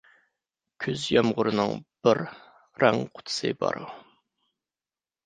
كۈز يامغۇرىنىڭ بىر رەڭ قۇتىسى بار.